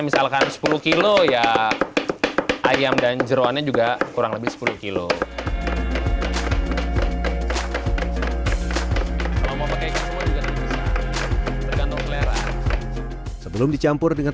misalkan sepuluh kilo ya ayam dan jerawannya juga kurang lebih sepuluh kilo sebelum dicampur dengan